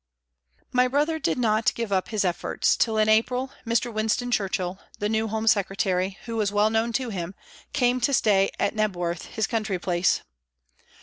My brother did not give up his efforts till in April Mr. Winston Churchill, the new Home Secretary, who was well known to him, came to stay at Kneb 310 PRISONS AND PRISONERS worth, his country place.